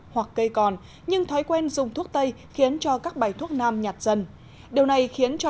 hoặc cây còn nhưng thói quen dùng thuốc tây khiến cho các bài thuốc nam nhạt dần điều này khiến cho